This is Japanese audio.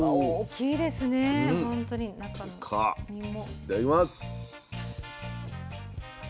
いただきます。